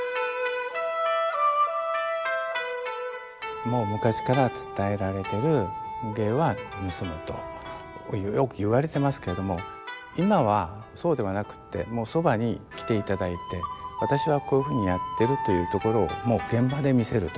もう昔から伝えられてる「芸は盗む」とよく言われてますけれども今はそうではなくってもうそばに来ていただいて私はこういうふうにやってるというところをもう現場で見せると。